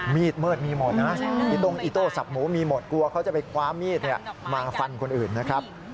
มีดมืดมีหมดนะอีตรงอิโต้สับหมูมีหมดกลัวเขาจะไปคว้ามีดมาฟันคนอื่นนะครับ